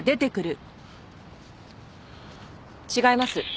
違います。